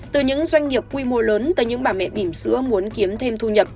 từ những doanh nghiệp quy mô lớn tới những bà mẹ bìm sữa muốn kiếm thêm thu nhập